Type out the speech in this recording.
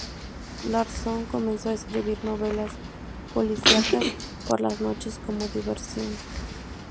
Larsson comenzó a escribir novelas policíacas por las noches, como diversión.